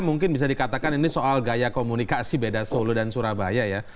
mungkin bisa dikatakan ini soal gaya komunikasi beda solo dan surabaya ya